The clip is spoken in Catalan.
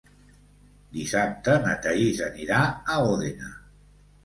Dissabte na Thaís anirà a Òdena.